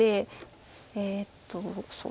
えっと。